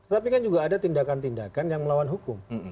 tapi kan juga ada tindakan tindakan yang melawan hukum